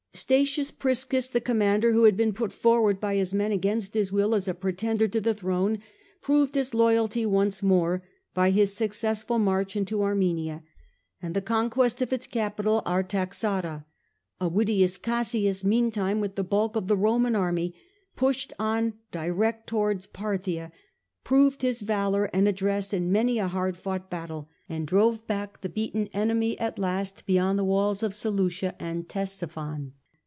Statius Priscus, the commander who had been put forward by his men against his will as a pretender to the throne, proved his loyalty once more by his success ful march into Armenia, and the conquest of its capital Artaxata. Avidius Cassius meantime, with the bulk of the Roman army, pushed on direct towards Parthia, proved his valour and address in many a hard fought battle, and drove back the beaten enemy at last beyond the walls of Seleucia and Ctesiphon.